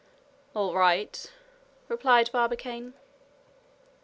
"All right," replied Barbicane.